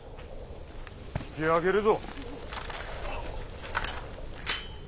引き揚げるぞ。